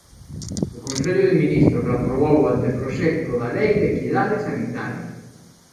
O Consello de Ministros aprobou o anteproxecto da lei de equidade sanitaria.